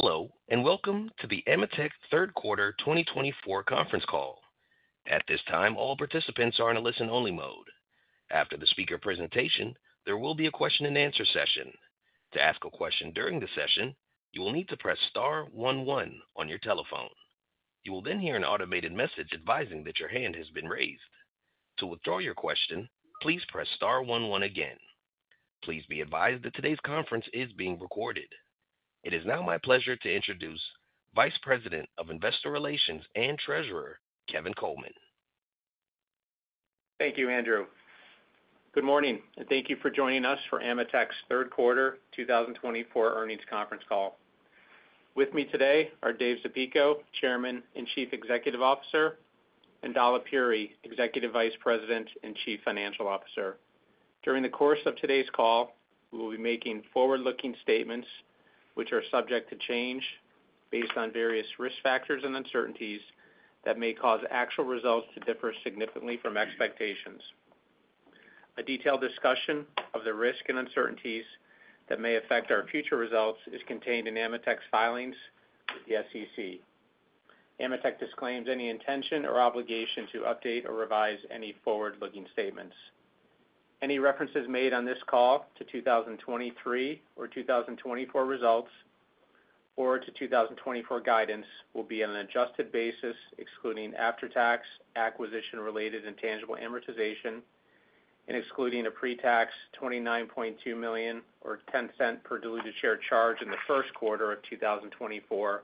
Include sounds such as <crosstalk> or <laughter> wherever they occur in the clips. Hello, and welcome to the AMETEK third quarter 2024 conference call. At this time, all participants are in a listen-only mode. After the speaker presentation, there will be a question-and-answer session. To ask a question during the session, you will need to press star one one on your telephone. You will then hear an automated message advising that your hand has been raised. To withdraw your question, please press star one one again. Please be advised that today's conference is being recorded. It is now my pleasure to introduce Vice President of Investor Relations and Treasurer, Kevin Coleman. Thank you, Andrew. Good morning, and thank you for joining us for AMETEK's third quarter 2024 earnings conference call. With me today are Dave Zapico, Chairman and Chief Executive Officer, and Dalip Puri, Executive Vice President and Chief Financial Officer. During the course of today's call, we will be making forward-looking statements which are subject to change based on various risk factors and uncertainties that may cause actual results to differ significantly from expectations. A detailed discussion of the risk and uncertainties that may affect our future results is contained in AMETEK's filings with the SEC. AMETEK disclaims any intention or obligation to update or revise any forward-looking statements. Any references made on this call to 2023 or 2024 results or to 2024 guidance will be on an adjusted basis, excluding after-tax acquisition-related intangible amortization and excluding a pre-tax $29.2 million or $0.10 per diluted share charge in the first quarter of 2024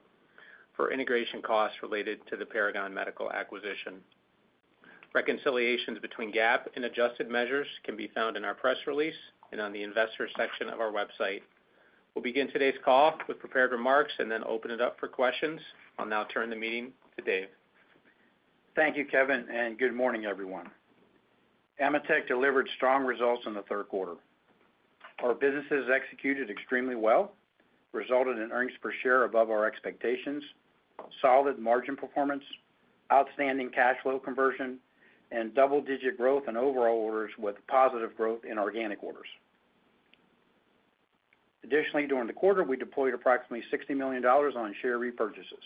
for integration costs related to the Paragon Medical acquisition. Reconciliations between GAAP and adjusted measures can be found in our press release and on the investor section of our website. We'll begin today's call with prepared remarks and then open it up for questions. I'll now turn the meeting to Dave. Thank you, Kevin, and good morning, everyone. AMETEK delivered strong results in the third quarter. Our business has executed extremely well, resulted in earnings per share above our expectations, solid margin performance, outstanding cash flow conversion, and double-digit growth in overall orders with positive growth in organic orders. Additionally, during the quarter, we deployed approximately $60 million on share repurchases.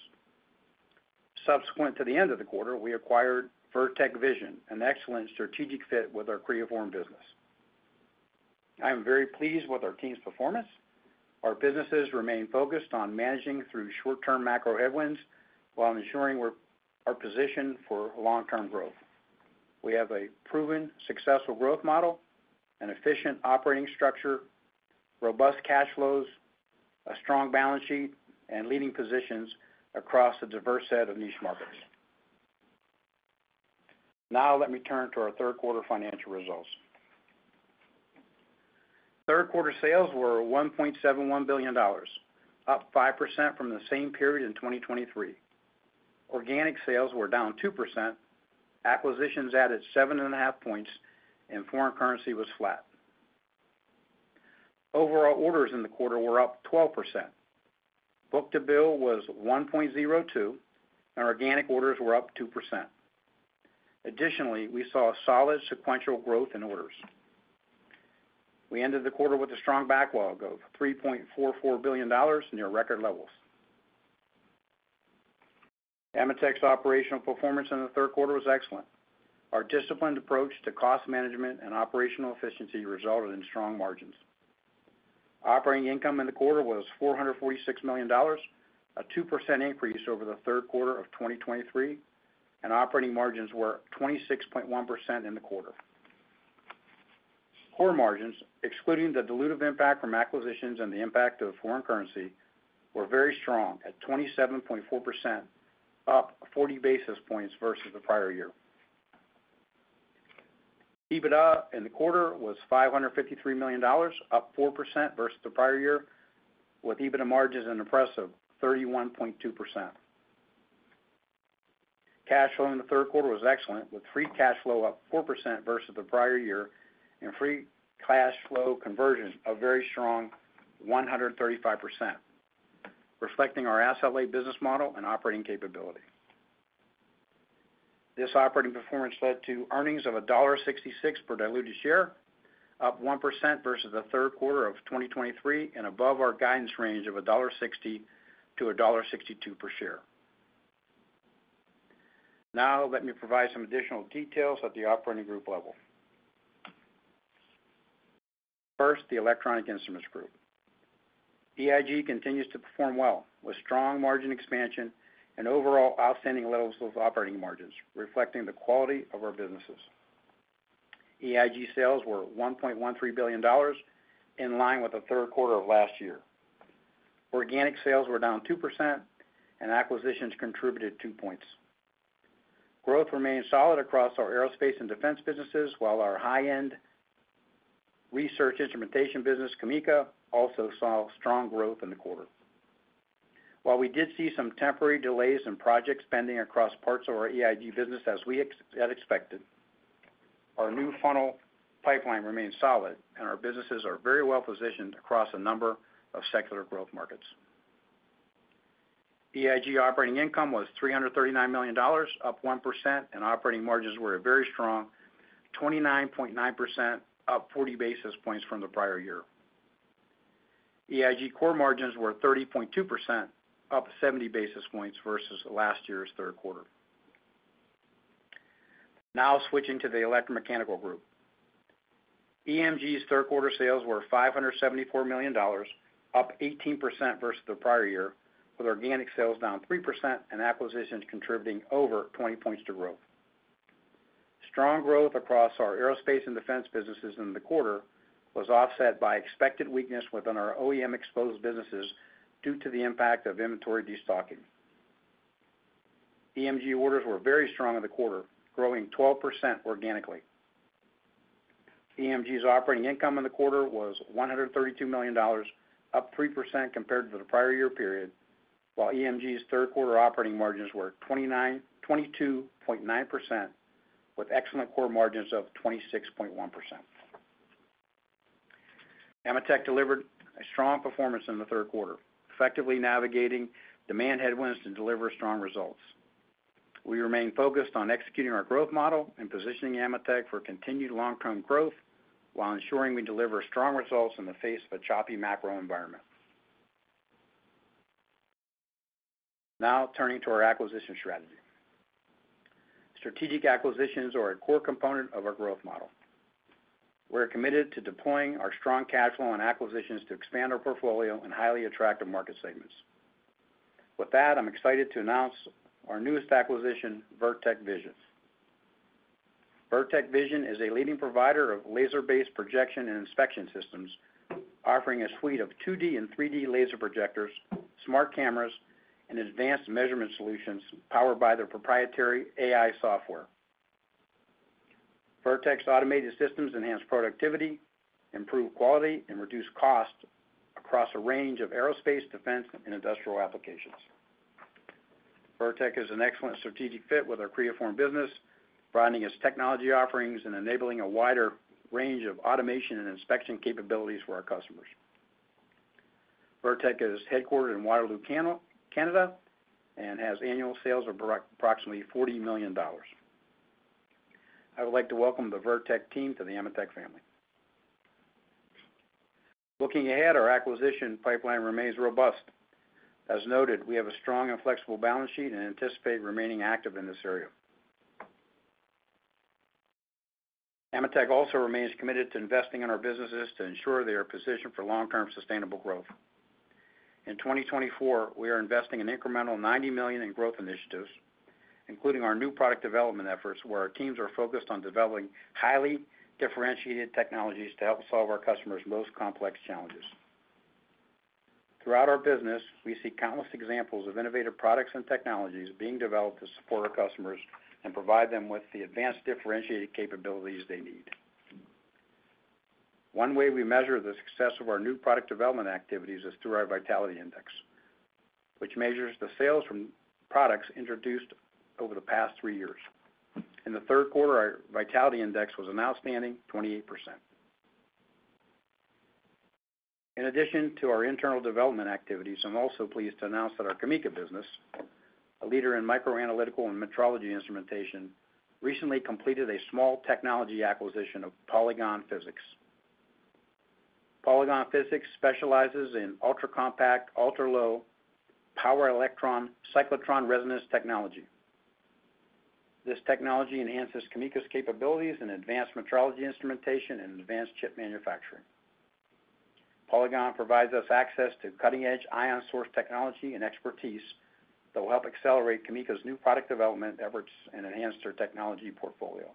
Subsequent to the end of the quarter, we acquired Virtek Vision, an excellent strategic fit with our Creaform business. I am very pleased with our team's performance. Our businesses remain focused on managing through short-term macro headwinds while ensuring our position for long-term growth. We have a proven, successful growth model, an efficient operating structure, robust cash flows, a strong balance sheet, and leading positions across a diverse set of niche markets. Now, let me turn to our third-quarter financial results. Third-quarter sales were $1.71 billion, up 5% from the same period in 2023. Organic sales were down 2%. Acquisitions added 7.5 points, and foreign currency was flat. Overall orders in the quarter were up 12%. Book-to-bill was 1.02, and organic orders were up 2%. Additionally, we saw solid sequential growth in orders. We ended the quarter with a strong backlog of $3.44 billion, near record levels. AMETEK's operational performance in the third quarter was excellent. Our disciplined approach to cost management and operational efficiency resulted in strong margins. Operating income in the quarter was $446 million, a 2% increase over the third quarter of 2023, and operating margins were up 26.1% in the quarter. Core margins, excluding the dilutive impact from acquisitions and the impact of foreign currency, were very strong at 27.4%, up 40 basis points versus the prior year. EBITDA in the quarter was $553 million, up 4% versus the prior year, with EBITDA margins impressive at 31.2%. Cash flow in the third quarter was excellent, with free cash flow up 4% versus the prior year and free cash flow conversion a very strong 135%, reflecting our asset-laden business model and operating capability. This operating performance led to earnings of $1.66 per diluted share, up 1% versus the third quarter of 2023, and above our guidance range of $1.60-$1.62 per share. Now, let me provide some additional details at the operating group level. First, the Electronic Instruments Group. EIG continues to perform well with strong margin expansion and overall outstanding levels of operating margins, reflecting the quality of our businesses. EIG sales were $1.13 billion, in line with the third quarter of last year. Organic sales were down 2%, and acquisitions contributed 2 points. Growth remained solid across our Aerospace & Defense businesses, while our high-end research instrumentation business, CAMECA, also saw strong growth in the quarter. While we did see some temporary delays in project spending across parts of our EIG business, as we had expected, our new funnel pipeline remained solid, and our businesses are very well positioned across a number of secular growth markets. EIG operating income was $339 million, up 1%, and operating margins were very strong, 29.9%, up 40 basis points from the prior year. EIG core margins were 30.2%, up 70 basis points versus last year's third quarter. Now, switching to the Electromechanical Group. EMG's third quarter sales were $574 million, up 18% versus the prior year, with organic sales down 3% and acquisitions contributing over 20 points to growth. Strong growth across our Aerospace & Defense businesses in the quarter was offset by expected weakness within our OEM-exposed businesses due to the impact of inventory destocking. EMG orders were very strong in the quarter, growing 12% organically. EMG's operating income in the quarter was $132 million, up 3% compared to the prior year period, while EMG's third-quarter operating margins were 22.9%, with excellent core margins of 26.1%. AMETEK delivered a strong performance in the third quarter, effectively navigating demand headwinds to deliver strong results. We remain focused on executing our growth model and positioning AMETEK for continued long-term growth while ensuring we deliver strong results in the face of a choppy macro environment. Now, turning to our acquisition strategy. Strategic acquisitions are a core component of our growth model. We're committed to deploying our strong cash flow and acquisitions to expand our portfolio in highly attractive market segments. With that, I'm excited to announce our newest acquisition, Virtek Vision. Virtek Vision is a leading provider of laser-based projection and inspection systems, offering a suite of 2D and 3D laser projectors, smart cameras, and advanced measurement solutions powered by their proprietary AI software. Virtek's automated systems enhance productivity, improve quality, and reduce costs across a range of aerospace, defense, and industrial applications. Virtek is an excellent strategic fit with our Creaform business, broadening its technology offerings and enabling a wider range of automation and inspection capabilities for our customers. Virtek is headquartered in Waterloo, Canada, and has annual sales of approximately $40 million. I would like to welcome the Virtek team to the AMETEK family. Looking ahead, our acquisition pipeline remains robust. As noted, we have a strong and flexible balance sheet and anticipate remaining active in this area. AMETEK also remains committed to investing in our businesses to ensure they are positioned for long-term sustainable growth. In 2024, we are investing an incremental $90 million in growth initiatives, including our new product development efforts, where our teams are focused on developing highly differentiated technologies to help solve our customers' most complex challenges. Throughout our business, we see countless examples of innovative products and technologies being developed to support our customers and provide them with the advanced differentiated capabilities they need. One way we measure the success of our new product development activities is through our vitality index, which measures the sales from products introduced over the past three years. In the third quarter, our vitality index was an outstanding 28%. In addition to our internal development activities, I'm also pleased to announce that our CAMECA business, a leader in microanalytical and metrology instrumentation, recently completed a small technology acquisition of Polygon Physics. Polygon Physics specializes in ultra-compact, ultra-low power electron cyclotron resonance technology. This technology enhances CAMECA's capabilities in advanced metrology instrumentation and advanced chip manufacturing. Polygon provides us access to cutting-edge ion-source technology and expertise that will help accelerate CAMECA's new product development efforts and enhance their technology portfolio.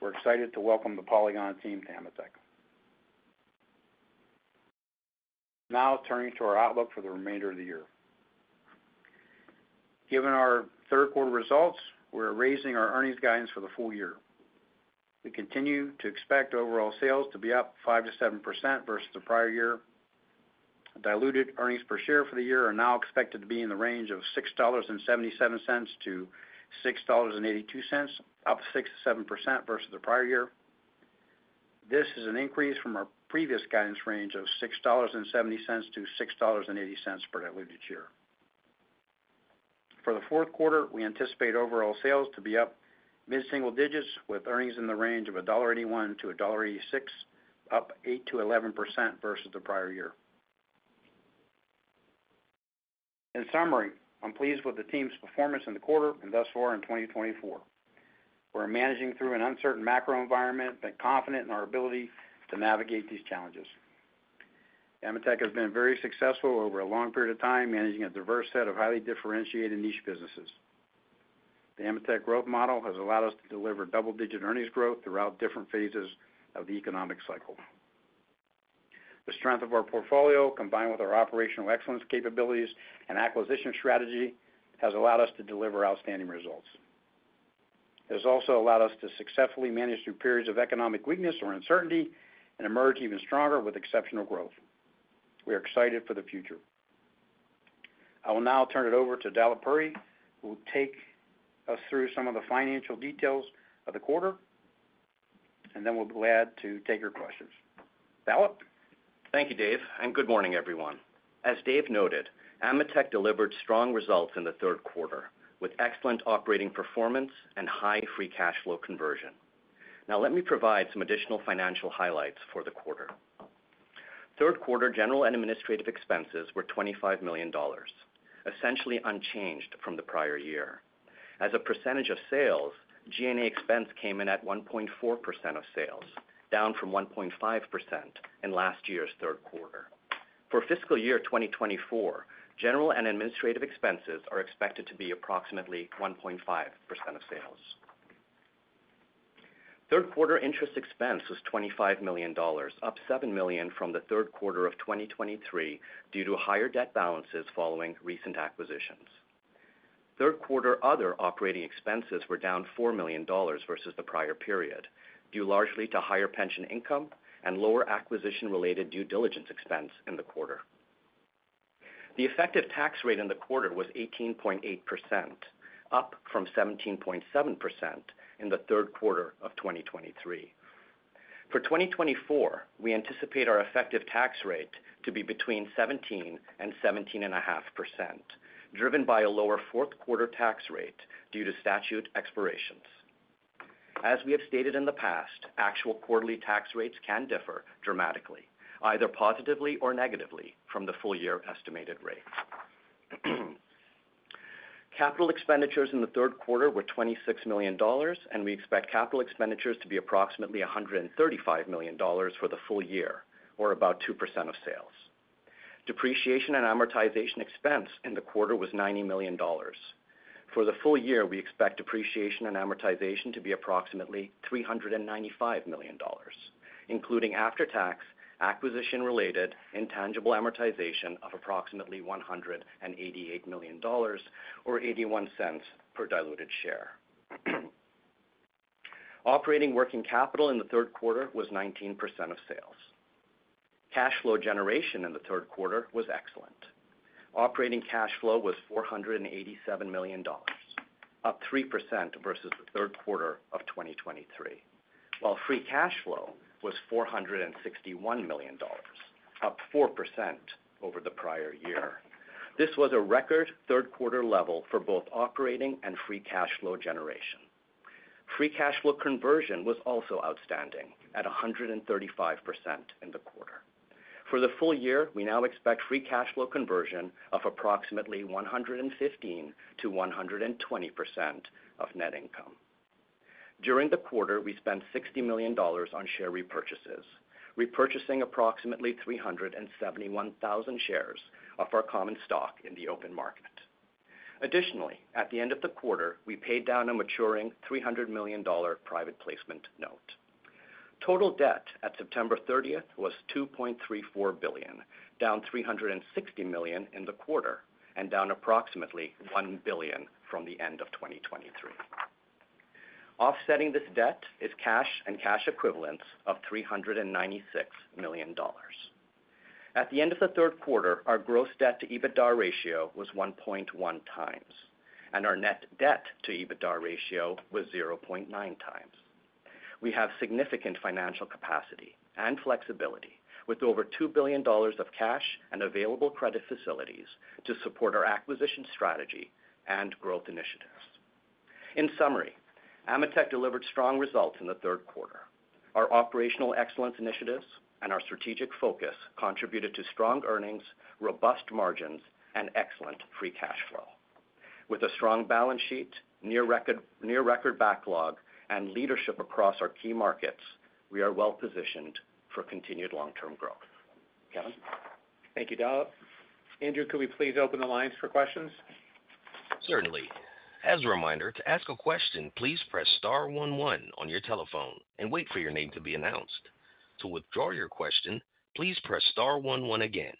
We're excited to welcome the Polygon team to AMETEK. Now, turning to our outlook for the remainder of the year. Given our third quarter results, we're raising our earnings guidance for the full year. We continue to expect overall sales to be up 5%-7% versus the prior year. Diluted earnings per share for the year are now expected to be in the range of $6.77-$6.82, up 6%-7% versus the prior year. This is an increase from our previous guidance range of $6.70-$6.80 per diluted share. For the fourth quarter, we anticipate overall sales to be up mid-single digits, with earnings in the range of $1.81-$1.86, up 8%-11% versus the prior year. In summary, I'm pleased with the team's performance in the quarter and thus far in 2024. We're managing through an uncertain macro environment but confident in our ability to navigate these challenges. AMETEK has been very successful over a long period of time managing a diverse set of highly differentiated niche businesses. The AMETEK growth model has allowed us to deliver double-digit earnings growth throughout different phases of the economic cycle. The strength of our portfolio, combined with our operational excellence capabilities and acquisition strategy, has allowed us to deliver outstanding results. It has also allowed us to successfully manage through periods of economic weakness or uncertainty and emerge even stronger with exceptional growth. We are excited for the future. I will now turn it over to Dalip Puri, who will take us through some of the financial details of the quarter, and then we'll be glad to take your questions. Dalip? Thank you, Dave, and good morning, everyone. As Dave noted, AMETEK delivered strong results in the third quarter with excellent operating performance and high free cash flow conversion. Now, let me provide some additional financial highlights for the quarter. Third-quarter general and administrative expenses were $25 million, essentially unchanged from the prior year. As a percentage of sales, G&A expense came in at 1.4% of sales, down from 1.5% in last year's third quarter. For fiscal year 2024, general and administrative expenses are expected to be approximately 1.5% of sales. Third-quarter interest expense was $25 million, up $7 million from the third quarter of 2023 due to higher debt balances following recent acquisitions. Third-quarter other operating expenses were down $4 million versus the prior period, due largely to higher pension income and lower acquisition-related due diligence expense in the quarter. The effective tax rate in the quarter was 18.8%, up from 17.7% in the third quarter of 2023. For 2024, we anticipate our effective tax rate to be between 17% and 17.5%, driven by a lower fourth-quarter tax rate due to statute expirations. As we have stated in the past, actual quarterly tax rates can differ dramatically, either positively or negatively from the full-year estimated rate. Capital expenditures in the third quarter were $26 million, and we expect capital expenditures to be approximately $135 million for the full year, or about 2% of sales. Depreciation and amortization expense in the quarter was $90 million. For the full year, we expect depreciation and amortization to be approximately $395 million, including after-tax, acquisition-related, intangible amortization of approximately $188 million, or $0.81 per diluted share. Operating working capital in the third quarter was 19% of sales. Cash flow generation in the third quarter was excellent. Operating cash flow was $487 million, up 3% versus the third quarter of 2023, while free cash flow was $461 million, up 4% over the prior year. This was a record third-quarter level for both operating and free cash flow generation. Free cash flow conversion was also outstanding at 135% in the quarter. For the full year, we now expect free cash flow conversion of approximately 115%-120% of net income. During the quarter, we spent $60 million on share repurchases, repurchasing approximately 371,000 shares of our common stock in the open market. Additionally, at the end of the quarter, we paid down a maturing $300 million private placement note. Total debt at September 30th was $2.34 billion, down $360 million in the quarter and down approximately $1 billion from the end of 2023. Offsetting this debt is cash and cash equivalents of $396 million. At the end of the third quarter, our gross debt-to-EBITDA ratio was 1.1 times, and our net debt-to-EBITDA ratio was 0.9 times. We have significant financial capacity and flexibility with over $2 billion of cash and available credit facilities to support our acquisition strategy and growth initiatives. In summary, AMETEK delivered strong results in the third quarter. Our operational excellence initiatives and our strategic focus contributed to strong earnings, robust margins, and excellent free cash flow. With a strong balance sheet, near-record backlog, and leadership across our key markets, we are well positioned for continued long-term growth. Kevin? Thank you, Dalip. Andrew, could we please open the lines for questions? Certainly. As a reminder, to ask a question, please press star one one on your telephone and wait for your name to be announced. To withdraw your question, please press star one one again.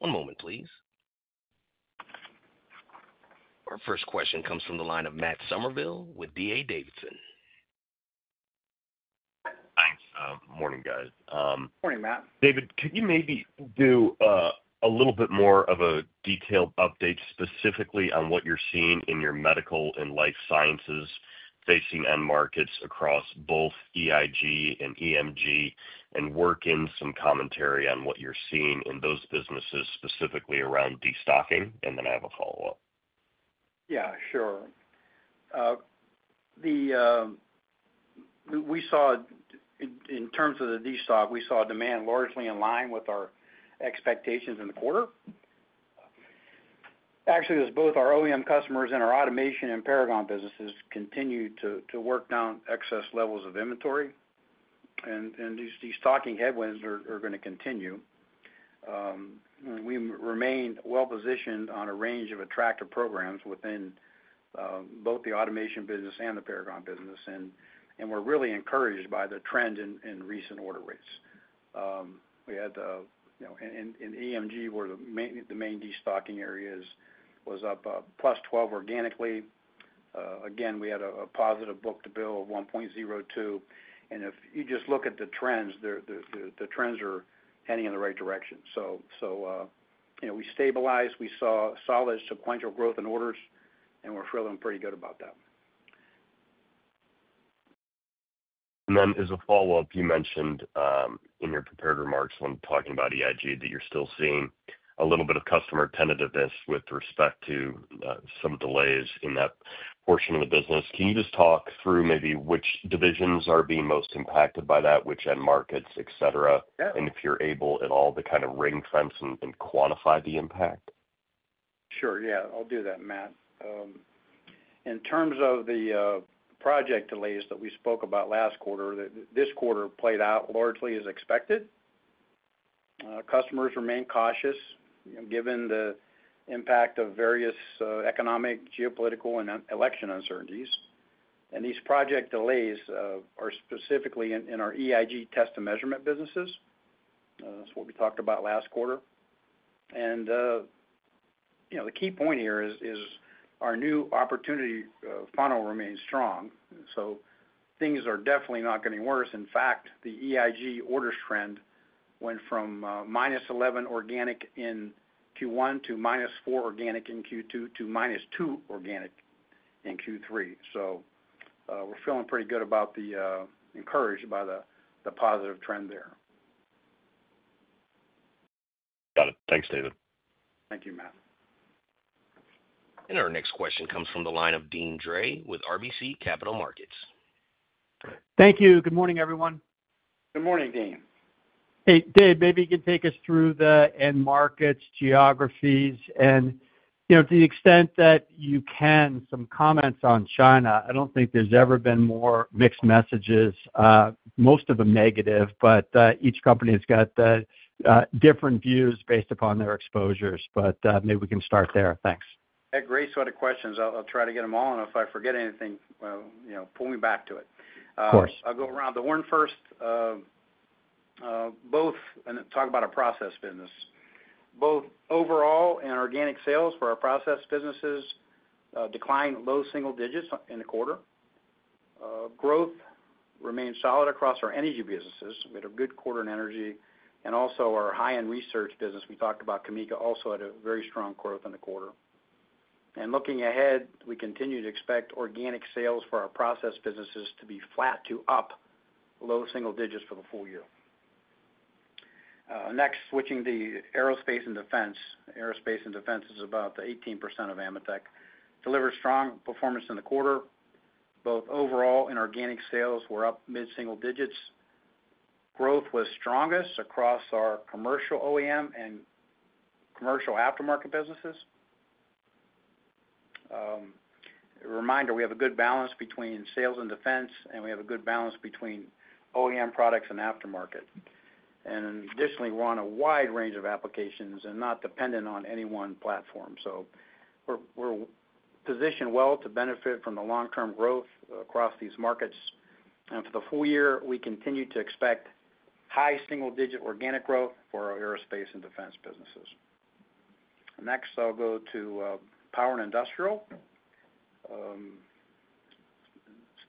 One moment, please. Our first question comes from the line of Matt Summerville with D.A. Davidson. Thanks. Morning, guys. Morning, Matt. David, could you maybe do a little bit more of a detailed update specifically on what you're seeing in your medical and life sciences facing end markets across both EIG and EMG and work in some commentary on what you're seeing in those businesses specifically around destocking? And then I have a follow-up. Yeah, sure. We saw, in terms of the destock, we saw demand largely in line with our expectations in the quarter. Actually, as both our OEM customers and our automation and Paragon businesses continue to work down excess levels of inventory, and these destocking headwinds are going to continue, we remain well positioned on a range of attractive programs within both the automation business and the Paragon business. We're really encouraged by the trend in recent order rates. We had, in EMG, where the main destocking area was up +12% organically. Again, we had a positive book-to-bill of 1.02. If you just look at the trends, the trends are heading in the right direction. We stabilized. We saw solid sequential growth in orders, and we're feeling pretty good about that. And then as a follow-up, you mentioned in your prepared remarks when talking about EIG that you're still seeing a little bit of customer tentativeness with respect to some delays in that portion of the business. Can you just talk through maybe which divisions are being most impacted by that, which end markets, etc., and if you're able at all to kind of ring-fence and quantify the impact? Sure. Yeah, I'll do that, Matt. In terms of the project delays that we spoke about last quarter, this quarter played out largely as expected. Customers remain cautious given the impact of various economic, geopolitical, and election uncertainties, and these project delays are specifically in our EIG test and measurement businesses. That's what we talked about last quarter, and the key point here is our new opportunity funnel remains strong, so things are definitely not getting worse. In fact, the EIG orders trend went from -11% organic in Q1 to -4% organic in Q2 to -2% organic in Q3. So we're feeling pretty good, encouraged by the positive trend there. Got it. Thanks, David. Thank you, Matt. Our next question comes from the line of Deane Dray with RBC Capital Markets. Thank you. Good morning, everyone. Good morning, Deane. Hey, Dave, maybe you can take us through the end markets, geographies, and to the extent that you can, some comments on China. I don't think there's ever been more mixed messages, most of them negative, but each company has got different views based upon their exposures, but maybe we can start there. Thanks. Hey, great set of questions. I'll try to get them all, and if I forget anything, pull me back to it. Of course. I'll go around the horn first and talk about our process business. Both overall and organic sales for our process businesses declined low single digits in the quarter. Growth remained solid across our energy businesses. We had a good quarter in energy and also our high-end research business, we talked about CAMECA, also had a very strong growth in the quarter and looking ahead, we continue to expect organic sales for our process businesses to be flat to up low-single digits for the full year. Next, switching to Aerospace & Defense. Aerospace & Defense is about 18% of AMETEK and delivered strong performance in the quarter. Both overall and organic sales were up mid-single digits. Growth was strongest across our commercial OEM and commercial aftermarket businesses. Reminder, we have a good balance between commercial and defense, and we have a good balance between OEM and aftermarket. And additionally, we're on a wide range of applications and not dependent on any one platform. So we're positioned well to benefit from the long-term growth across these markets. And for the full year, we continue to expect high single-digit organic growth for our aerospace and defense businesses. Next, I'll go to Power and Industrial.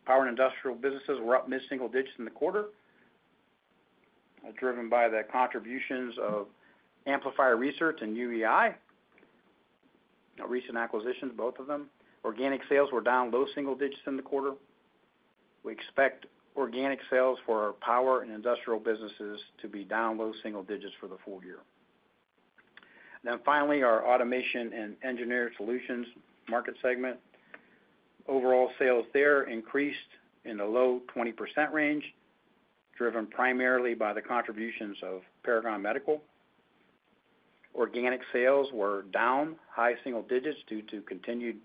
Power and industrial businesses were up mid-single digits in the quarter, driven by the contributions of Amplifier Research and UEI, recent acquisitions, both of them. Organic sales were down low single digits in the quarter. We expect organic sales for our Power and Industrial businesses to be down low single digits for the full year. Then finally, our automation and engineered solutions market segment. Overall sales there increased in the low 20% range, driven primarily by the contributions of Paragon Medical. Organic sales were down high-single-digits due to continued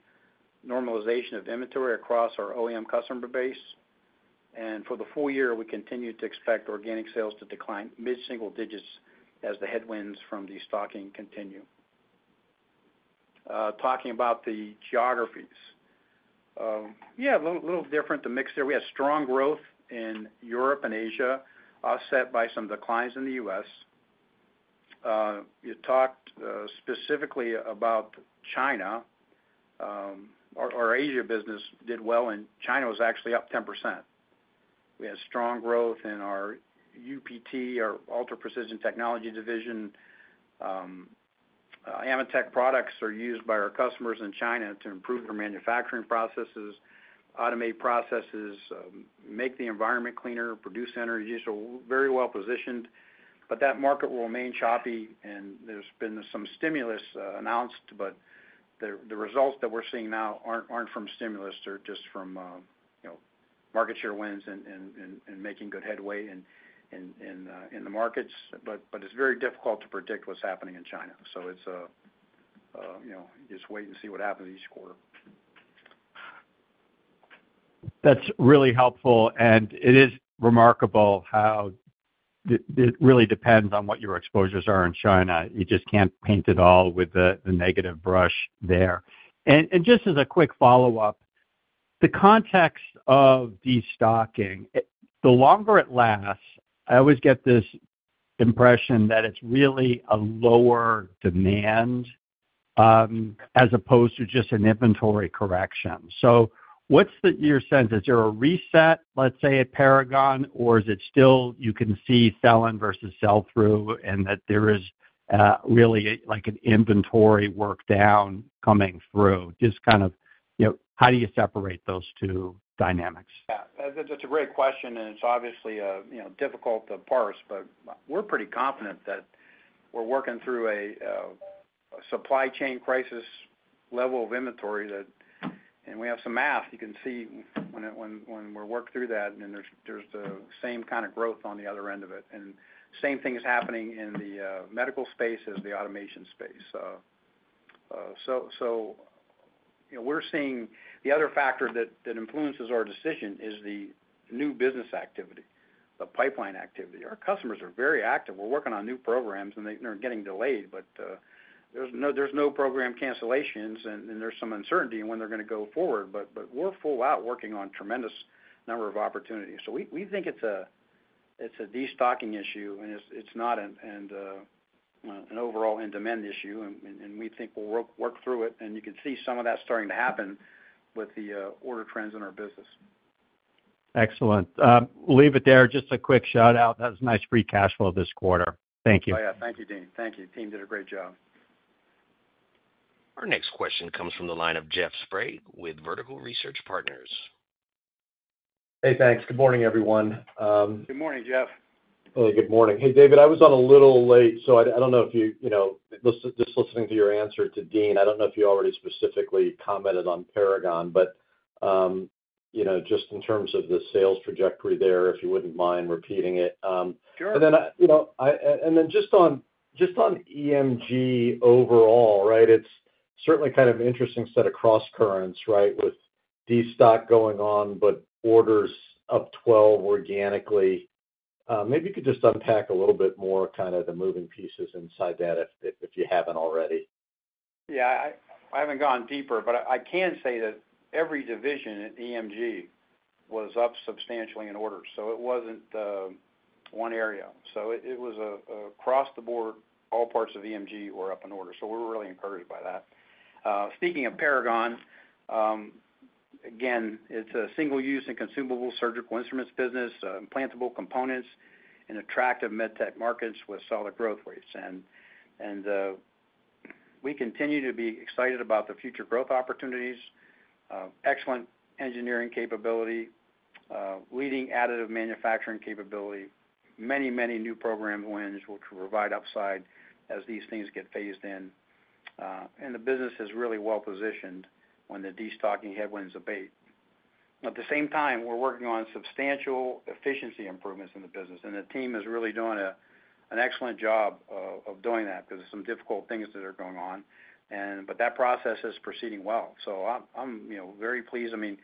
normalization of inventory across our OEM customer base. And for the full year, we continue to expect organic sales to decline mid-single digits as the headwinds from destocking continue. Talking about the geographies, yeah, a little different to mix there. We have strong growth in Europe and Asia, offset by some declines in the U.S. You talked specifically about China. Our Asia business did well, and China was actually up 10%. We had strong growth in our UPT, our ultra-precision technology division. AMETEK products are used by our customers in China to improve their manufacturing processes, automate processes, make the environment cleaner, produce energy. So very well positioned. But that market will remain choppy, and there's been some stimulus announced, but the results that we're seeing now aren't from stimulus. They're just from market share wins and making good headway in the markets. But it's very difficult to predict what's happening in China, so it's just wait and see what happens each quarter. That's really helpful. And it is remarkable how it really depends on what your exposures are in China. You just can't paint it all with the negative brush there. And just as a quick follow-up, the context of destocking, the longer it lasts, I always get this impression that it's really a lower demand as opposed to just an inventory correction. So what's your sense? Is there a reset, let's say, at Paragon, or is it still you can see sell-in versus sell-through and that there is really an inventory work-down coming through? Just kind of how do you separate those two dynamics? Yeah. That's a great question, and it's obviously difficult to parse, but we're pretty confident that we're working through a supply chain crisis level of inventory, and we have some math. You can see when we work through that, and there's the same kind of growth on the other end of it, and the same thing is happening in the medical space as the automation space, so we're seeing the other factor that influences our decision is the new business activity, the pipeline activity. Our customers are very active. We're working on new programs, and they're getting delayed, but there's no program cancellations, and there's some uncertainty in when they're going to go forward, but we're full out working on a tremendous number of opportunities, so we think it's a destocking issue, and it's not an overall in-demand issue, and we think we'll work through it. You can see some of that starting to happen with the order trends in our business. Excellent. We'll leave it there. Just a quick shout-out. That was a nice free cash flow this quarter. Thank you. Oh, yeah. Thank you, Dean. Thank you. Team did a great job. Our next question comes from the line of Jeff Sprague with Vertical Research Partners. Hey, thanks. Good morning, everyone. Good morning, Jeff. Hey, good morning. Hey, David, I was on a little late, so I don't know if you just listening to your answer to Deane. I don't know if you already specifically commented on Paragon, but just in terms of the sales trajectory there, if you wouldn't mind repeating it. Sure. And then just on EMG overall, right? It's certainly kind of an interesting set of cross-currents, right, with destock going on, but orders up 12% organically. Maybe you could just unpack a little bit more kind of the moving pieces inside that if you haven't already? Yeah. I haven't gone deeper, but I can say that every division at EMG was up substantially in order, so it wasn't one area, so it was across the board, all parts of EMG were up in order, so we were really encouraged by that. Speaking of Paragon, again, it's a single-use and consumable surgical instruments business, implantable components, and attractive medtech markets with solid growth rates, and we continue to be excited about the future growth opportunities, excellent engineering capability, leading additive manufacturing capability, many, many new program wins which will provide upside as these things get phased in, and the business is really well positioned when the destocking headwinds abate. At the same time, we're working on substantial efficiency improvements in the business, and the team is really doing an excellent job of doing that because there's some difficult things that are going on. But that process is proceeding well. So I'm very pleased. I mean,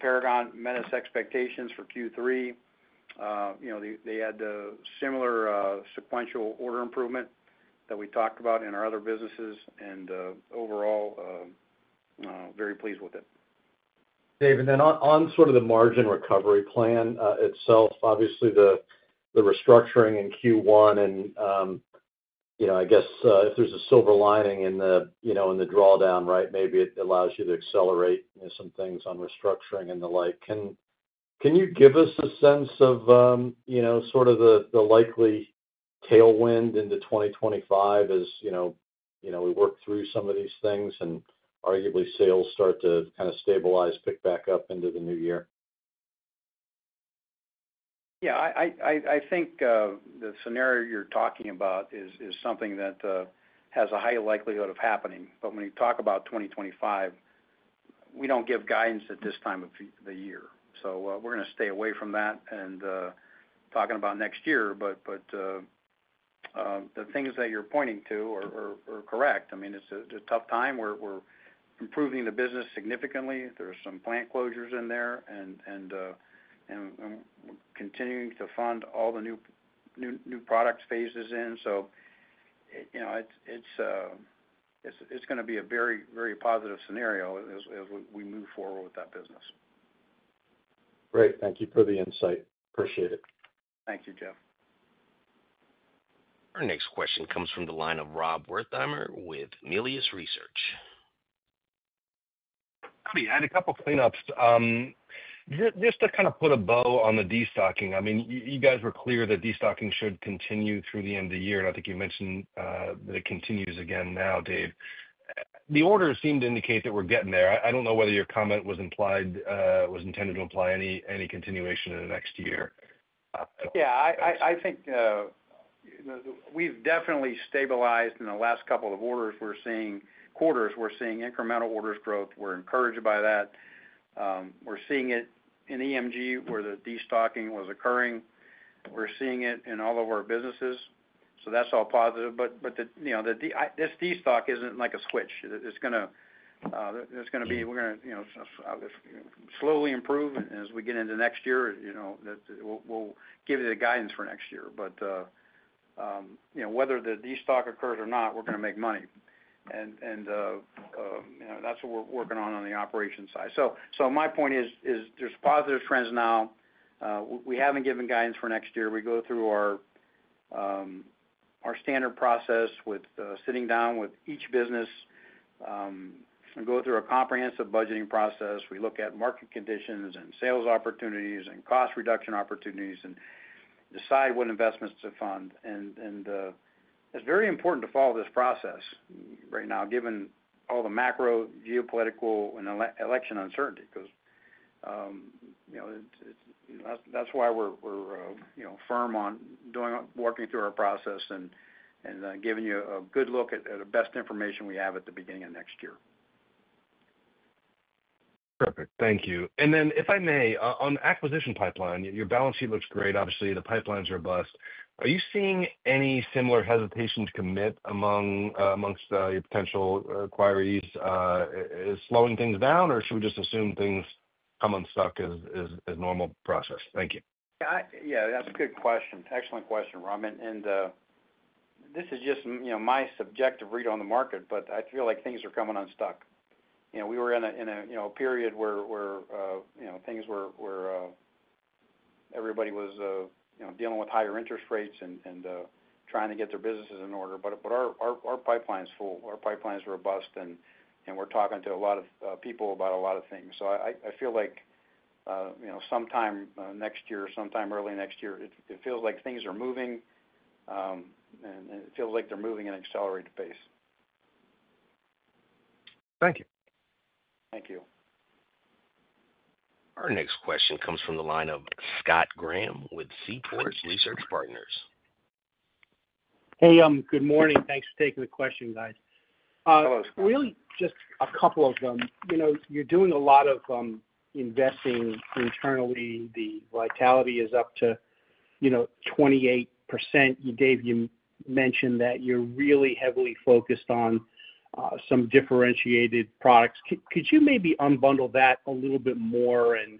Paragon met its expectations for Q3. They had a similar sequential order improvement that we talked about in our other businesses. And overall, very pleased with it. David, then on sort of the margin recovery plan itself, obviously the restructuring in Q1, and I guess if there's a silver lining in the drawdown, right, maybe it allows you to accelerate some things on restructuring and the like. Can you give us a sense of sort of the likely tailwind into 2025 as we work through some of these things and arguably sales start to kind of stabilize, pick back up into the new year? Yeah. I think the scenario you're talking about is something that has a high likelihood of happening. But when you talk about 2025, we don't give guidance at this time of the year. So we're going to stay away from that and talking about next year. But the things that you're pointing to are correct. I mean, it's a tough time. We're improving the business significantly. There are some plant closures in there, and we're continuing to fund all the new product phases in. So it's going to be a very, very positive scenario as we move forward with that business. Great. Thank you for the insight. Appreciate it. Thank you, Jeff. Our next question comes from the line of Rob Wertheimer with Melius Research. I had a couple of cleanups. Just to kind of put a bow on the destocking, I mean, you guys were clear that destocking should continue through the end of the year and I think you mentioned that it continues again now, Dave. The orders seem to indicate that we're getting there. I don't know whether your comment was intended to imply any continuation in the next year. Yeah. I think we've definitely stabilized in the last couple of orders we're seeing, quarters, we're seeing incremental orders growth. We're encouraged by that. We're seeing it in EMG where the destocking was occurring. We're seeing it in all of our businesses. So that's all positive. But this destock isn't like a switch. It's going to be we're going to slowly improve. And as we get into next year, we'll give you the guidance for next year. But whether the destock occurs or not, we're going to make money. And that's what we're working on on the operation side. So my point is there's positive trends now. We haven't given guidance for next year. We go through our standard process with sitting down with each business. We go through a comprehensive budgeting process. We look at market conditions and sales opportunities and cost reduction opportunities and decide what investments to fund, and it's very important to follow this process right now given all the macro geopolitical and election uncertainty because that's why we're firm on working through our process and giving you a good look at the best information we have at the beginning of next year. Perfect. Thank you. And then if I may, on acquisition pipeline, your balance sheet looks great. Obviously, the pipeline is robust. Are you seeing any similar hesitation to commit amongst your potential acquirees? Is slowing things down, or should we just assume things come unstuck as a normal process? Thank you. Yeah. That's a good question. Excellent question, Rob. And this is just my subjective read on the market, but I feel like things are coming unstuck. We were in a period where things were, everybody was dealing with higher interest rates and trying to get their businesses in order. But our pipeline is full. Our pipeline is robust, and we're talking to a lot of people about a lot of things. So I feel like sometime next year, sometime early next year, it feels like things are moving, and it feels like they're moving at an accelerated pace. Thank you. Thank you. Our next question comes from the line of Scott Graham with Seaport Research Partners. Hey, good morning. Thanks for taking the question, guys. Hello, Scott. Really just a couple of them. You're doing a lot of investing internally. The vitality is up to 28%. Dave, you mentioned that you're really heavily focused on some differentiated products. Could you maybe unbundle that a little bit more? And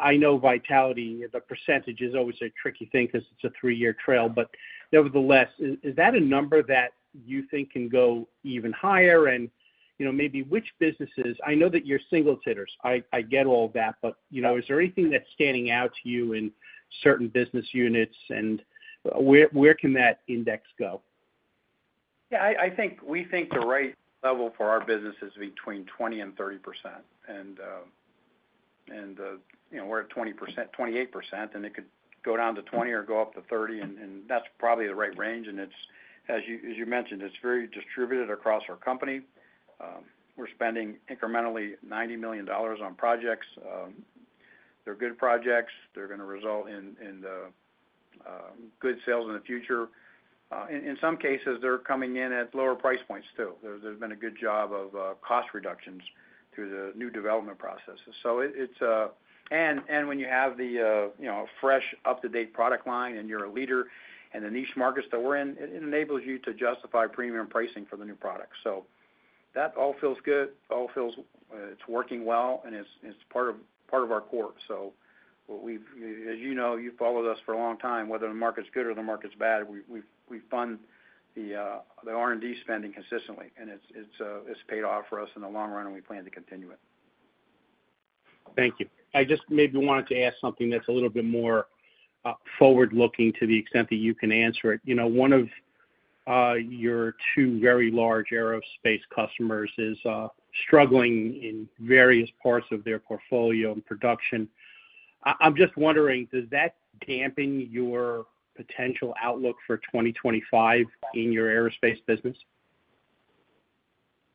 I know vitality, the percentage is always a tricky thing because it's a three-year trailing. But nevertheless, is that a number that you think can go even higher? And maybe which businesses? I know that you're singles hitters. I get all that. But is there anything that's standing out to you in certain business units? And where can that index go? Yeah. I think we think the right level for our business is between 20% and 30%. And we're at 20%, 28%, and it could go down to 20% or go up to 30%. And that's probably the right range. And as you mentioned, it's very distributed across our company. We're spending incrementally $90 million on projects. They're good projects. They're going to result in good sales in the future. In some cases, they're coming in at lower price points too. There's been a good job of cost reductions through the new development processes. And when you have the fresh, up-to-date product line and you're a leader in the niche markets that we're in, it enables you to justify premium pricing for the new products. So that all feels good. It's working well, and it's part of our core. So as you know, you've followed us for a long time. Whether the market's good or the market's bad, we fund the R&D spending consistently, and it's paid off for us in the long run, and we plan to continue it. Thank you. I just maybe wanted to ask something that's a little bit more forward-looking to the extent that you can answer it. One of your two very large aerospace customers is struggling in various parts of their portfolio and production. I'm just wondering, does that dampen your potential outlook for 2025 in your aerospace business?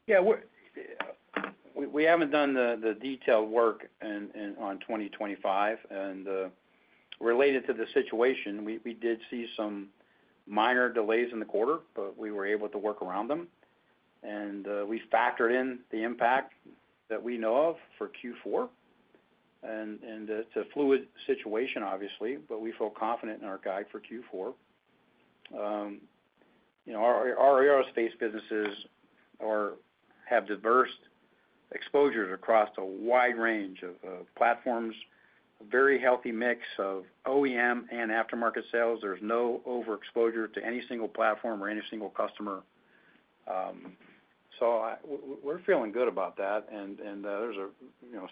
Yeah. We haven't done the detailed work on 2025. And related to the situation, we did see some minor delays in the quarter, but we were able to work around them. And we factored in the impact that we know of for Q4. And it's a fluid situation, obviously, but we feel confident in our guide for Q4. Our aerospace businesses have diverse exposures across a wide range of platforms, a very healthy mix of OEM and aftermarket sales. There's no overexposure to any single platform or any single customer. So we're feeling good about that. And there's a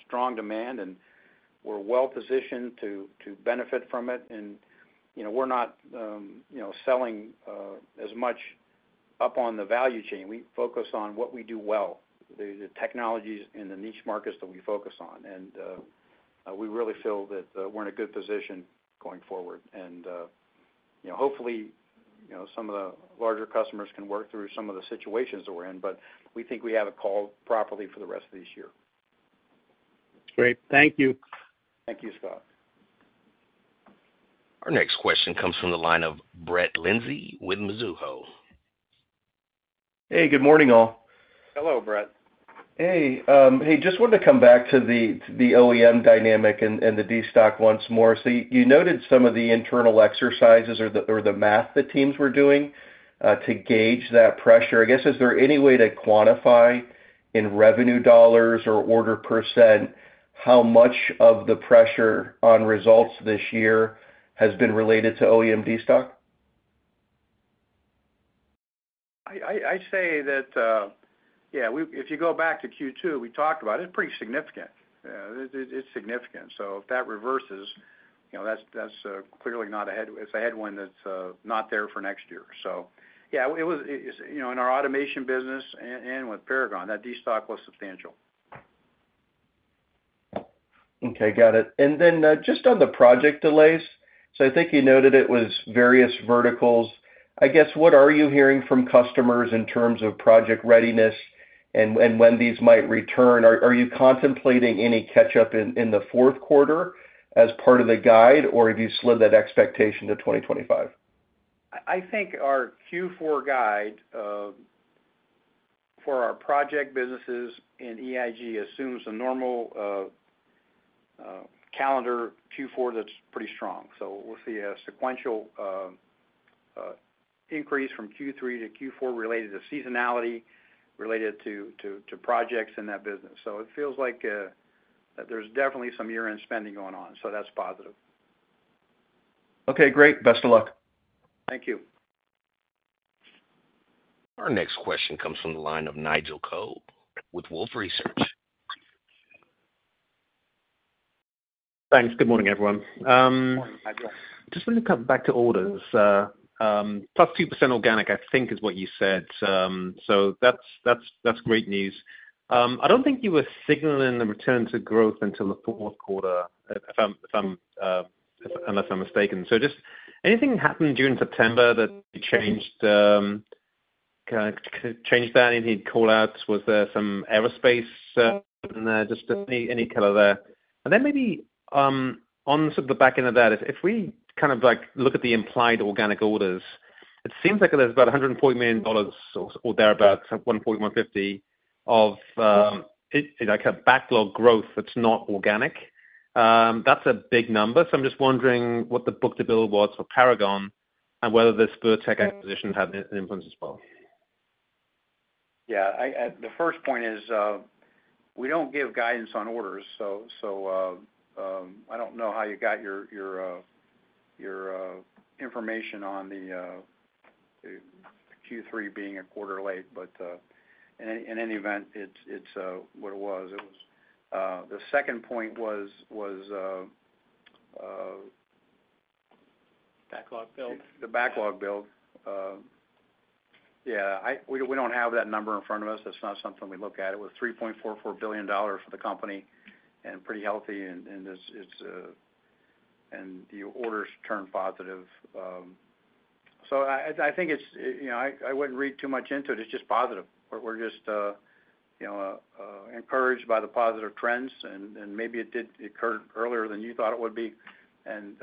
strong demand, and we're well positioned to benefit from it. And we're not selling as much up on the value chain. We focus on what we do well, the technologies in the niche markets that we focus on. And we really feel that we're in a good position going forward. And hopefully, some of the larger customers can work through some of the situations that we're in. But we think we have called it properly for the rest of this year. Great. Thank you. Thank you, Scott. Our next question comes from the line of Brett Linzey with Mizuho. Hey, good morning, all. Hello, Brett. Hey. Hey, just wanted to come back to the OEM dynamic and the destock once more. So you noted some of the internal exercises or the math that teams were doing to gauge that pressure. I guess, is there any way to quantify in revenue dollars or order percent how much of the pressure on results this year has been related to OEM destock? I'd say that, yeah, if you go back to Q2, we talked about it. It's pretty significant. It's significant. So if that reverses, that's clearly not a headwind. It's a headwind that's not there for next year. So yeah, in our automation business and with Paragon, that destock was substantial. Okay. Got it. And then just on the project delays, so I think you noted it was various verticals. I guess, what are you hearing from customers in terms of project readiness and when these might return? Are you contemplating any catch-up in the fourth quarter as part of the guide, or have you slid that expectation to 2025? I think our Q4 guide for our project businesses in EIG assumes a normal calendar Q4 that's pretty strong, so we'll see a sequential increase from Q3 to Q4 related to seasonality, related to projects in that business, so it feels like there's definitely some year-end spending going on, so that's positive. Okay. Great. Best of luck. Thank you. Our next question comes from the line of Nigel Coe with Wolfe Research. Thanks. Good morning, everyone. Good morning, Nigel. Just wanted to come back to orders. +2% organic, I think, is what you said. So that's great news. I don't think you were signaling the return to growth until the fourth quarter, unless I'm mistaken. So just anything happened during September that changed that? Any callouts? Was there from aerospace? Just any color there. And then maybe on sort of the back end of that, if we kind of look at the implied organic orders, it seems like there's about $140 million or thereabouts, $1.150 billion, of backlog growth that's not organic. That's a big number. So I'm just wondering what the book-to-bill was for Paragon and whether this Virtek acquisition had an influence as well. Yeah. The first point is we don't give guidance on orders. So I don't know how you got your information on the Q3 being a quarter late. But in any event, it's what it was. The second point was. Backlog bill. The backlog bill. Yeah, we don't have that number in front of us. That's not something we look at. It was $3.44 billion for the company and pretty healthy, and the orders turned positive. So I think it's. I wouldn't read too much into it. It's just positive. We're just encouraged by the positive trends, and maybe it did occur earlier than you thought it would be, and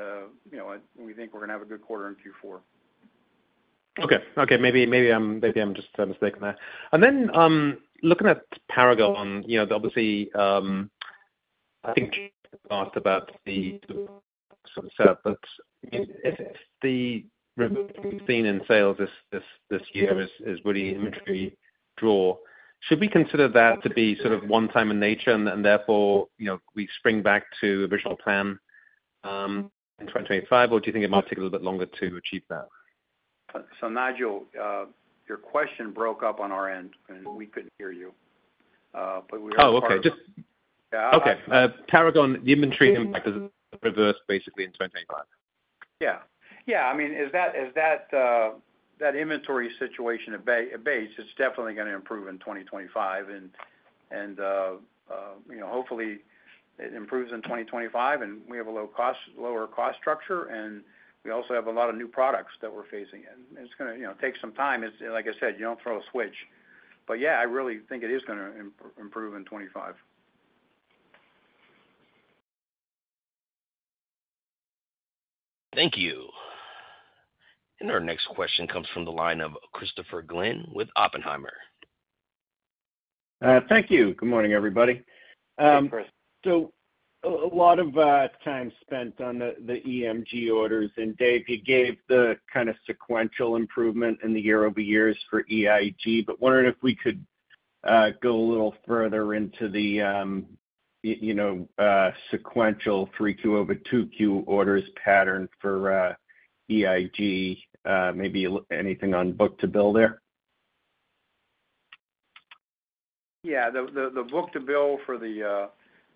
we think we're going to have a good quarter in Q4. Okay. Okay. Maybe I'm just mistaken there. And then looking at Paragon, obviously, I think <audio distortion> about the setup. But if the <audio distortion> we've seen in sales this year is really inventory draw, should we consider that to be sort of one-time in nature and therefore we spring back to original plan in 2025, or do you think it might take a little bit longer to achieve that? So Nigel, your question broke up on our end, and we couldn't hear you, but we heard Paragon. Oh, okay. Okay. Paragon, the inventory impact is reversed basically in 2025. I mean, is that inventory situation at bay, it's definitely going to improve in 2025, and hopefully it improves in 2025, and we have a lower cost structure, and we also have a lot of new products that we're launching, and it's going to take some time. Like I said, you don't throw a switch, but yeah, I really think it is going to improve in 2025. Thank you, and our next question comes from the line of Christopher Glynn with Oppenheimer. Thank you. Good morning, everybody. Hey, Chris. So a lot of time spent on the EMG orders. And Dave, you gave the kind of sequential improvement in the year-over-years for EIG. But wondering if we could go a little further into the sequential 3Q over 2Q orders pattern for EIG. Maybe anything on book-to-bill there? Yeah. The book-to-bill for the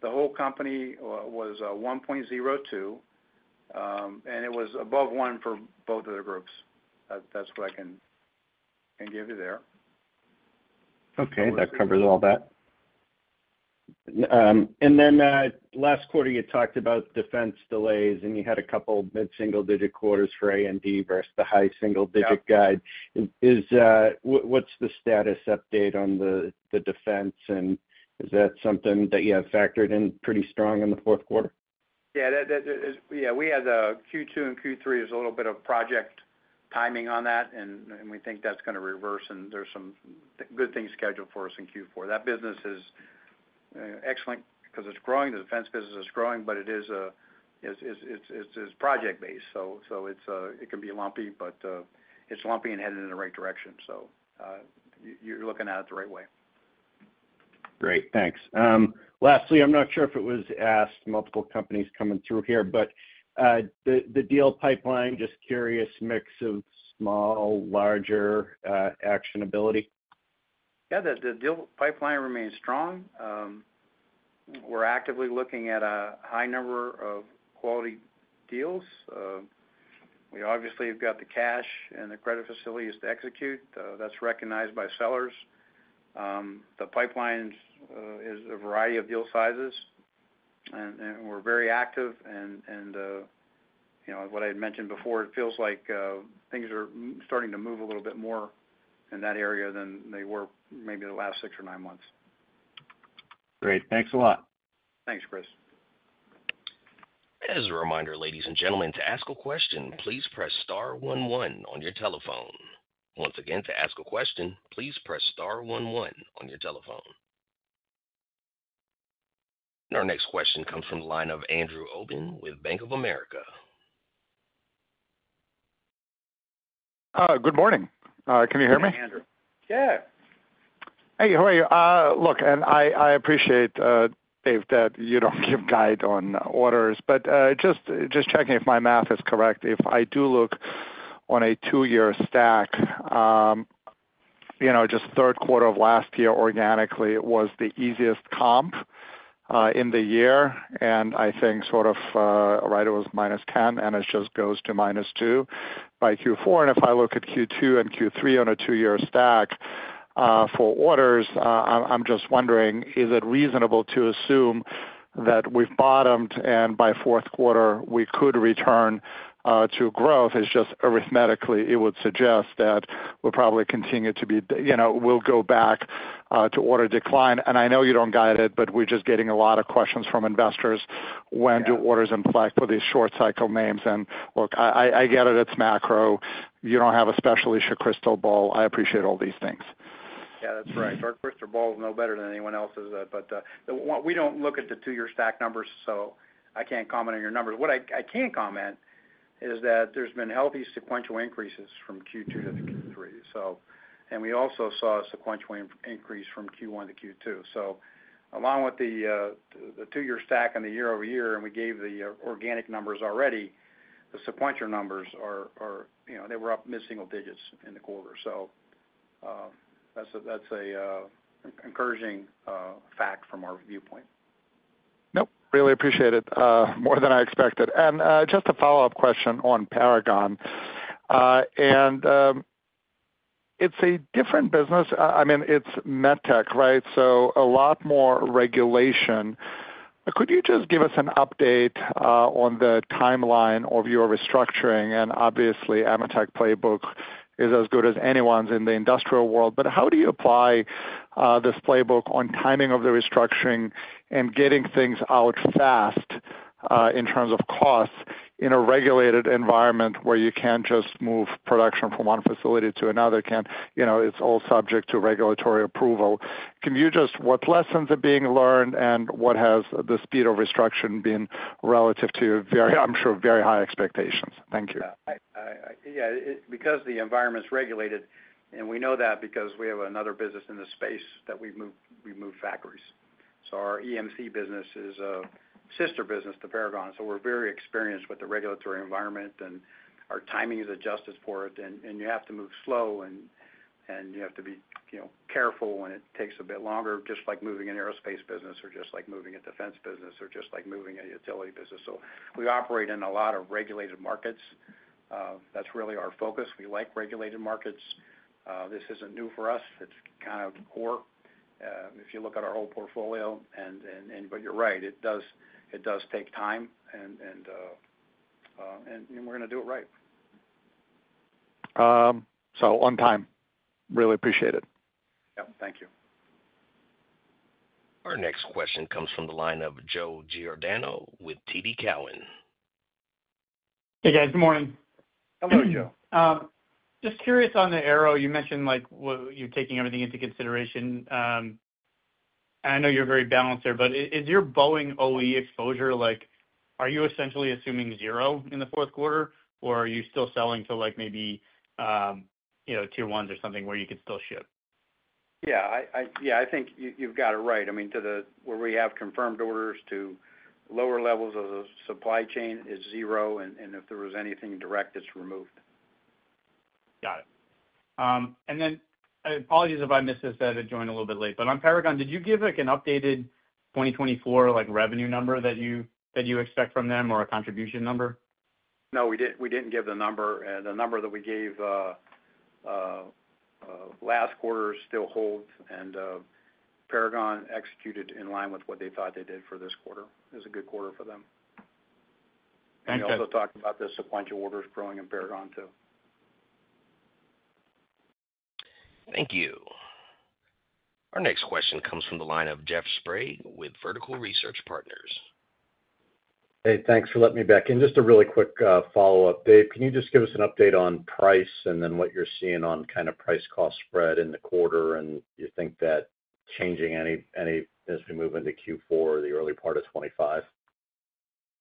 whole company was 1.02, and it was above 1 for both of the groups. That's what I can give you there. Okay. That covers all that. And then last quarter, you talked about Defense delays, and you had a couple of mid-single-digit quarters for A&D versus the high single-digit guide. What's the status update on the Defense? And is that something that you have factored in pretty strong in the fourth quarter? Yeah. Yeah. We had Q2 and Q3. There's a little bit of project timing on that. We think that's going to reverse. There's some good things scheduled for us in Q4. That business is excellent because it's growing. The Defense business is growing, but it is project-based. So it can be lumpy, but it's lumpy and headed in the right direction. So you're looking at it the right way. Great. Thanks. Lastly, I'm not sure if it was asked, multiple companies coming through here, but the deal pipeline, just curious mix of small, larger, actionability. Yeah. The deal pipeline remains strong. We're actively looking at a high number of quality deals. We obviously have got the cash and the credit facilities to execute. That's recognized by sellers. The pipeline is a variety of deal sizes, and we're very active, and what I had mentioned before, it feels like things are starting to move a little bit more in that area than they were maybe the last six or nine months. Great. Thanks a lot. Thanks, Chris. As a reminder, ladies and gentlemen, to ask a question, please press star one one on your telephone. Once again, to ask a question, please press star one one on your telephone. And our next question comes from the line of Andrew Obin with Bank of America. Good morning. Can you hear me? Hey, Andrew. Yeah. Hey, how are you? Look, and I appreciate, Dave, that you don't give guidance on orders. But just checking if my math is correct, if I do look on a two-year stack, just third quarter of last year organically was the easiest comp in the year. And I think sort of, right, it was -10%, and it just goes to -2% by Q4. And if I look at Q2 and Q3 on a two-year stack for orders, I'm just wondering, is it reasonable to assume that we've bottomed and by fourth quarter, we could return to growth? It's just arithmetically, it would suggest that we'll probably continue to go back to order decline. And I know you don't guide it, but we're just getting a lot of questions from investors. What do orders imply for these short-cycle names? And look, I get it. It's macro. You don't have a special issue crystal ball. I appreciate all these things. Yeah, that's right. Our crystal ball is no better than anyone else's. But we don't look at the two-year stack numbers, so I can't comment on your numbers. What I can comment is that there's been healthy sequential increases from Q2 to Q3. And we also saw a sequential increase from Q1 to Q2. So along with the two-year stack and the year-over-year, and we gave the organic numbers already, the sequential numbers, they were up mid-single digits in the quarter. So that's an encouraging fact from our viewpoint. Nope. Really appreciate it. More than I expected. And just a follow-up question on Paragon. And it's a different business. I mean, it's med tech, right? So a lot more regulation. Could you just give us an update on the timeline of your restructuring? And obviously, AMETEK playbook is as good as anyone's in the industrial world. But how do you apply this playbook on timing of the restructuring and getting things out fast in terms of costs in a regulated environment where you can't just move production from one facility to another? It's all subject to regulatory approval. What lessons are being learned and what has the speed of restructuring been relative to your, I'm sure, very high expectations? Thank you. Yeah. Because the environment's regulated, and we know that because we have another business in the space that we move factories. So our EMC business is a sister business to Paragon. So we're very experienced with the regulatory environment, and our timing is adjusted for it. And you have to move slow, and you have to be careful, and it takes a bit longer, just like moving an aerospace business or just like moving a defense business or just like moving a utility business. So we operate in a lot of regulated markets. That's really our focus. We like regulated markets. This isn't new for us. It's kind of core. If you look at our old portfolio, but you're right, it does take time. And we're going to do it right. On time. Really appreciate it. Yep. Thank you. Our next question comes from the line of Joe Giordano with TD Cowen. Hey, guys. Good morning. Hello, Joe. Just curious on the arrow. You mentioned you're taking everything into consideration, and I know you're very balanced there, but is your Boeing OE exposure? Are you essentially assuming zero in the fourth quarter, or are you still selling to maybe tier ones or something where you could still ship? Yeah. Yeah. I think you've got it right. I mean, where we have confirmed orders to lower levels of the supply chain is zero. And if there was anything direct, it's removed. Got it, and then apologies if I missed this when I joined a little bit late, but on Paragon, did you give an updated 2024 revenue number that you expect from them or a contribution number? No, we didn't give the number. The number that we gave last quarter still holds. And Paragon executed in line with what they thought they did for this quarter. It was a good quarter for them. And we also talked about the sequential orders growing in Paragon too. Thank you. Our next question comes from the line of Jeff Sprague with Vertical Research Partners. Hey, thanks for letting me back in. Just a really quick follow-up. Dave, can you just give us an update on price and then what you're seeing on kind of price-cost spread in the quarter? And do you think that changing any as we move into Q4 or the early part of 2025?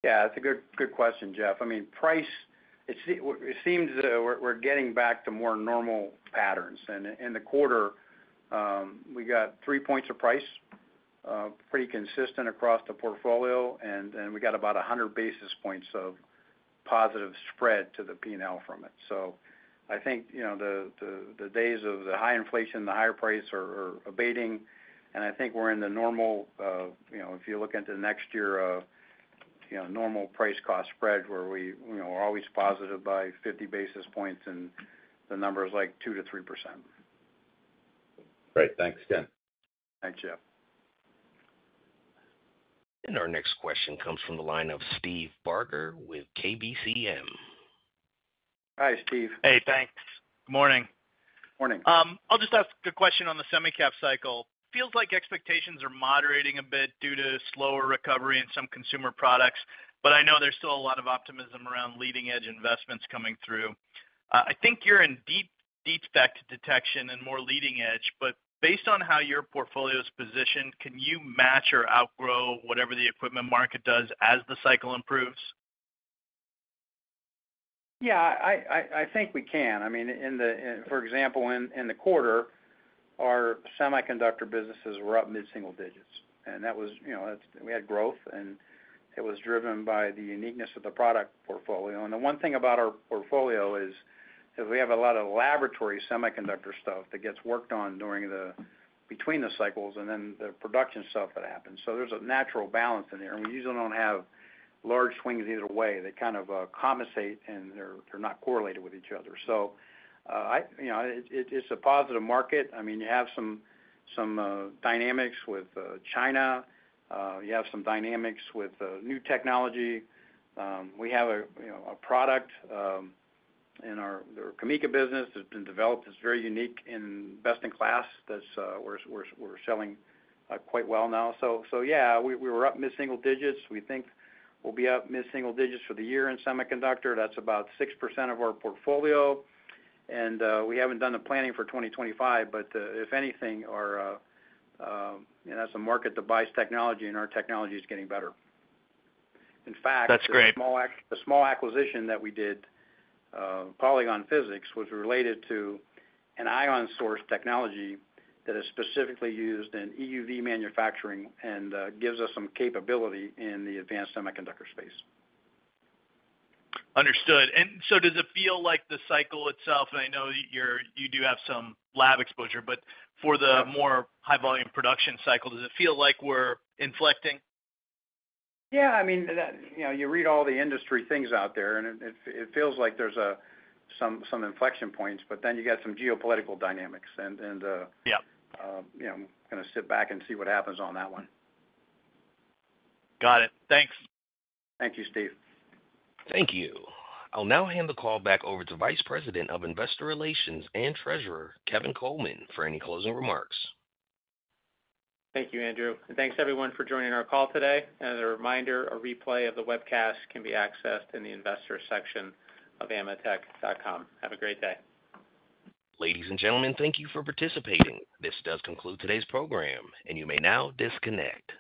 Yeah. That's a good question, Jeff. I mean, price, it seems we're getting back to more normal patterns. And in the quarter, we got three points of price, pretty consistent across the portfolio. And we got about 100 basis points of positive spread to the P&L from it. So I think the days of the high inflation, the higher price are abating. And I think we're in the normal, if you look into next year, normal price-cost spread where we're always positive by 50 basis points and the number is like 2%-3%. Great. Thanks again. Thanks, Jeff. Our next question comes from the line of Steve Barger with KBCM. Hi, Steve. Hey, thanks. Good morning. Morning. I'll just ask a question on the semi-cap cycle. Feels like expectations are moderating a bit due to slower recovery in some consumer products, but I know there's still a lot of optimism around leading-edge investments coming through. I think you're in deep, deep spec detection and more leading edge, but based on how your portfolio is positioned, can you match or outgrow whatever the equipment market does as the cycle improves? Yeah. I think we can. I mean, for example, in the quarter, our semiconductor businesses were up mid-single digits. And that was we had growth, and it was driven by the uniqueness of the product portfolio. And the one thing about our portfolio is we have a lot of laboratory semiconductor stuff that gets worked on between the cycles and then the production stuff that happens. So there's a natural balance in there. And we usually don't have large swings either way. They kind of compensate, and they're not correlated with each other. So it's a positive market. I mean, you have some dynamics with China. You have some dynamics with new technology. We have a product in our CAMECA business that's been developed. It's very unique and best in class. We're selling quite well now. So yeah, we were up mid-single digits. We think we'll be up mid-single digits for the year in semiconductor. That's about 6% of our portfolio. And we haven't done the planning for 2025. But if anything, that's a market-to-buy technology, and our technology is getting better. In fact. That's great. The small acquisition that we did, Polygon Physics, was related to an ion source technology that is specifically used in EUV manufacturing and gives us some capability in the advanced semiconductor space. Understood. And so does it feel like the cycle itself, and I know you do have some lab exposure, but for the more high-volume production cycle, does it feel like we're inflecting? Yeah. I mean, you read all the industry things out there, and it feels like there's some inflection points. But then you got some geopolitical dynamics. And I'm going to sit back and see what happens on that one. Got it. Thanks. Thank you, Steve. Thank you. I'll now hand the call back over to Vice President of Investor Relations and Treasurer, Kevin Coleman, for any closing remarks. Thank you, Andrew. Thanks, everyone, for joining our call today. As a reminder, a replay of the webcast can be accessed in the investor section of ametek.com. Have a great day. Ladies and gentlemen, thank you for participating. This does conclude today's program, and you may now disconnect.